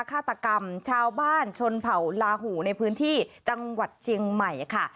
ฆาตกรรมชาวบ้านชนเผ่าลาหูในพื้นที่จังหวัดเชียงใหม่ค่ะ